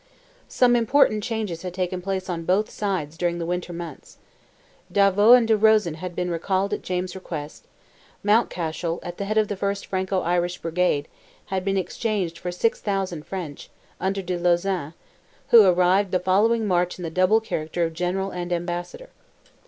Some important changes had taken place on both sides during the winter months. D'Avaux and De Rosen had been recalled at James's request; Mountcashel, at the head of the first Franco Irish brigade, had been exchanged for 6,000 French, under De Lauzan, who arrived the following March in the double character of general and ambassador.